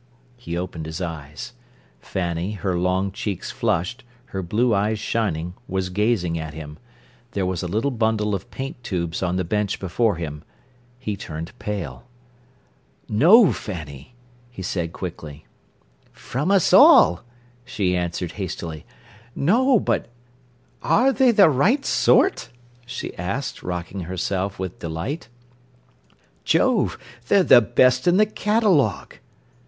He opened his eyes. Fanny, her long cheeks flushed, her blue eyes shining, was gazing at him. There was a little bundle of paint tubes on the bench before him. He turned pale. "No, Fanny," he said quickly. "From us all," she answered hastily. "No, but—" "Are they the right sort?" she asked, rocking herself with delight. "Jove! they're the best in the catalogue."